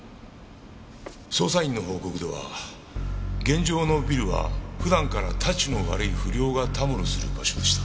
捜査員の報告では現場のビルは普段からタチの悪い不良がたむろする場所でした。